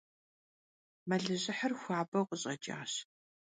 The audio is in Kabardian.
Melıjıhır xuaber khış'eç'aş.